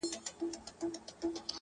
o اوس مي نو ومرگ ته انتظار اوسئ؛